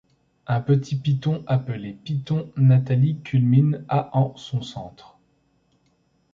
Un petit piton appelé Piton Nathalie culmine à en son centre.